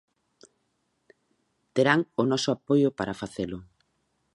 Terán o noso apoio para facelo.